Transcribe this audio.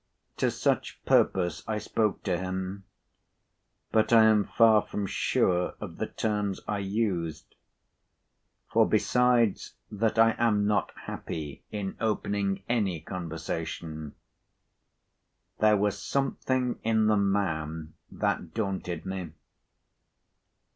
To such purpose I spoke to him; but I am far from sure of the terms I used, for, besides that I am not happy in opening any conversation, there was something in the man that daunted me.